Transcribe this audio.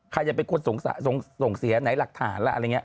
ใครจะเป็นคนส่งเสียไหนหลักฐานล่ะอะไรอย่างนี้